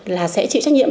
là sẽ chịu trách nhiệm